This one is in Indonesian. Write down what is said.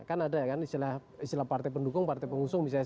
kan ada ya kan istilah partai pendukung partai pengusung misalnya